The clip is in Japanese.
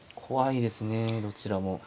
怖いですねどちらも。